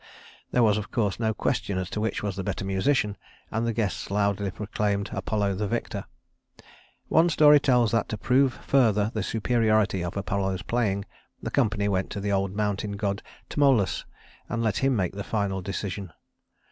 There was, of course, no question as to which was the better musician, and the guests loudly proclaimed Apollo the victor. One story tells that to prove further the superiority of Apollo's playing the company went to the old mountain god Tmolus, and let him make the final decision.